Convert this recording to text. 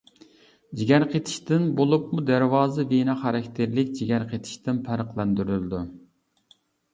جىگەر قېتىشىشتىن بولۇپمۇ دەرۋازا ۋېنا خاراكتېرلىك جىگەر قېتىشتىن پەرقلەندۈرۈلىدۇ.